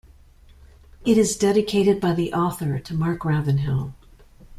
It is dedicated by the author to Mark Ravenhill.